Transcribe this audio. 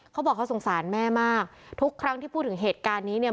เขาบอกเขาสงสารแม่มากทุกครั้งที่พูดถึงเหตุการณ์นี้เนี่ย